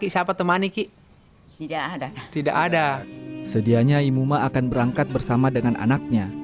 sedianya imuma akan berangkat bersama dengan anaknya